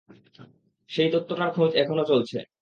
সেই তত্ত্বটার খোঁজ এখনো চলছে।